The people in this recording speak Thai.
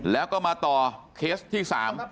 แล้วก็มาต่อเคสที่๓